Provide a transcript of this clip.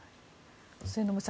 末延さん